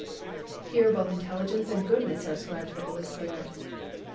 Here both intelligence and goodness are ascribed to the Holy Spirit.